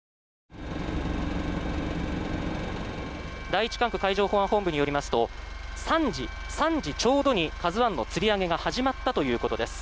第１管区海上保安本部によりますと３時ちょうどに「ＫＡＺＵ１」のつり上げが始まったということです。